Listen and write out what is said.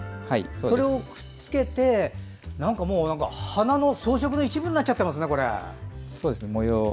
それを、くっつけてなんか花の装飾の一部になっちゃってますね。